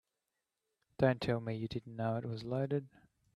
Don't tell me you didn't know it was loaded.